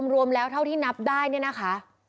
รวมแล้วเท่าที่นับได้เนี่ยนะคะ